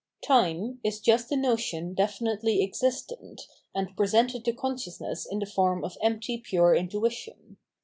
Time is just the notion definitely existent, and pre sented to consciousness in the form of empty pure intuition.